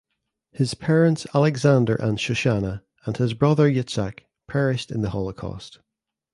His parents Alexander and Shoshana and his brother Yitzhak perished in the Holocaust.